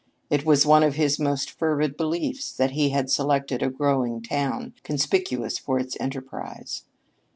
It was one of his most fervid beliefs that he had selected a growing town, conspicuous for its enterprise.